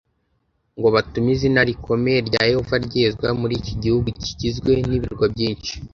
ngo batume izina rikomeye rya yehova ryezwa muri iki gihugu kigizwe n ibirwa byinshi